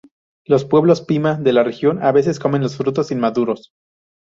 Los pueblos Pima de la región a veces comen los frutos inmaduros.